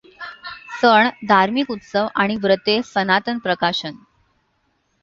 सण, धार्मिक उत्सव आणि व्रते सनातन प्रकाशन